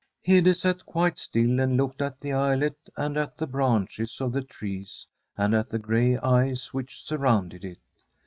Ueile sat auite still, and looked at the islet and «t the brancnes of the trees and at the gray ice which surrounded it.